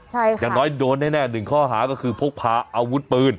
ใช่ค่ะอย่างน้อยโดนแน่หนึ่งข้อหาก็คือพกพาอาวุธปืน